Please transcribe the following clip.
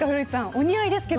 お似合いですけど。